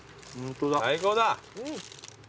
最高だ！